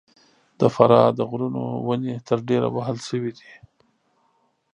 د فراه د غرونو ونې تر ډېره وهل سوي دي.